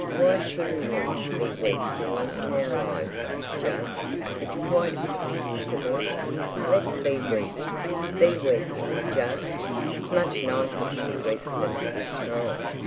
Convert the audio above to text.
"Why shouldn't we be weak for once in our lives, Jug? It's quite excusable. Let's be weak—be weak, Jug. It's much nicer to be weak than to be strong."